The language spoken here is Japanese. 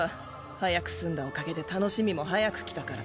早く済んだおかげで楽しみも早くきたから。